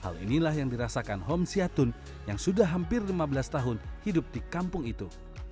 hal inilah yang dirasakan hom siatun yang sudah hampir lima belas tahun hidup di kampung itu